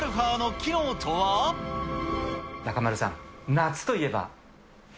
中丸さん、夏といえば。